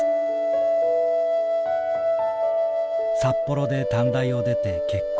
札幌で短大を出て結婚。